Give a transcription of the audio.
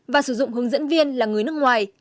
và sử dụng hướng dẫn viên là người nước ngoài